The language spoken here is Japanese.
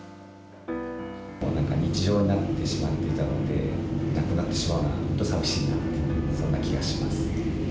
なんか日常になってしまっていたので、亡くなってしまうのは本当、寂しいなって、そんな気がします。